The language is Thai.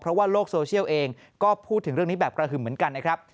เพราะว่าโลกโซเชียลเองก็พูดถึงเรื่องนี้แบบกระหึ่มเหมือนกันนะครับ